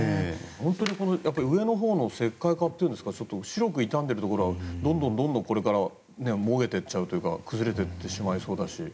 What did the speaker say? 本当に上のほうの石灰化っていうか白く傷んでいるところはどんどん、これからもげていっちゃうというか崩れていってしまいそうだし。